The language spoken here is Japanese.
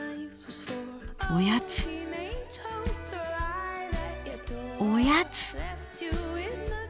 おやつおやつ。